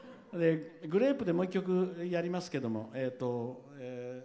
グレープでもう１曲やりますけれども。